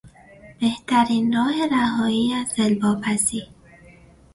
بهترین راه رهایی از دلواپسی